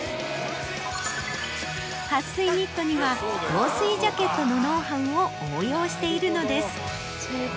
撥水ニットには防水ジャケットのノウハウを応用しているのです。